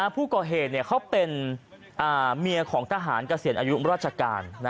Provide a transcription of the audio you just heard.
ผู้ก่อเหตุเขาเป็นเมียของทหารเกษียณอายุราชการ